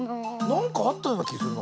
なんかあったようなきするな。